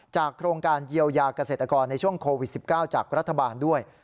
โครงการเยียวยาเกษตรกรในช่วงโควิด๑๙จากรัฐบาลด้วย